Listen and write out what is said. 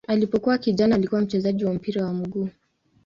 Alipokuwa kijana alikuwa mchezaji wa mpira wa miguu.